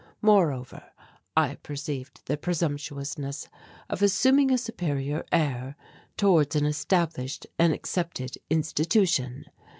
Moreover, I perceived the presumptuousness of assuming a superior air towards an established and accepted institution.